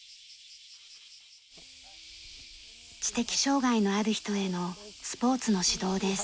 知的障害のある人へのスポーツの指導です。